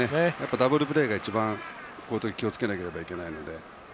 ダブルプレーが一番こういう時気をつけないといけないので。